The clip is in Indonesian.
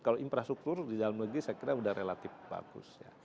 kalau infrastruktur di dalam negeri saya kira sudah relatif bagus ya